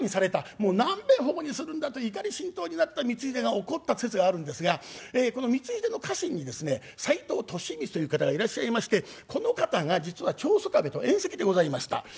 もう何べん反故にするんだと怒り心頭になった光秀が怒った説があるんですがこの光秀の家臣にですね斎藤利三という方がいらっしゃいましてこの方が実は長宗我部と縁戚でございました。